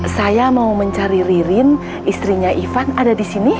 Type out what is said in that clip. saya mau mencari ririn istrinya ivan ada di sini